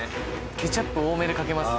ケチャップ多めにかけます。